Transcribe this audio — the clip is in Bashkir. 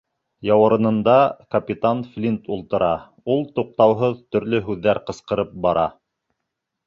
Яурынында Капитан Флинт ултыра, ул туҡтауһыҙ төрлө һүҙҙәр ҡысҡырып бара.